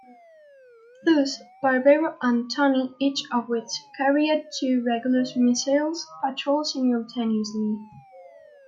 Thus, "Barbero" and "Tunny", each of which carried two Regulus missiles, patrolled simultaneously.